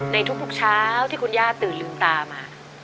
ในทุกเช้าที่คุณย่าตื่นลืมตามา